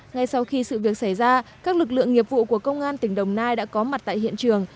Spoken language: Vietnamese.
ngay sau khi sự việc xảy ra các lực lượng nghiệp vụ của công an tỉnh đồng nai đã có mặt tại hiện trường